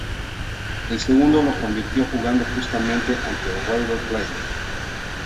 El segundo lo convirtió jugando justamente ante River Plate.